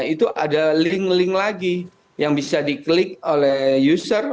itu ada link link lagi yang bisa diklik oleh user